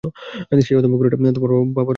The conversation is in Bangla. সেই অদম্য ঘোড়াটা তোমার বাবার খুব প্রিয় ছিল।